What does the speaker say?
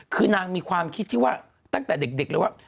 คือนางมีความคิดที่ว่าตั้งแต่เด็กเลยว่า